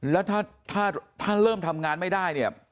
แล้วถ้าเริ่มทำงานไม่ได้เนี่ย